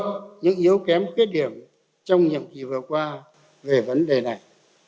không có những yếu kém khuyết điểm trong những kỳ vừa qua về vấn đề này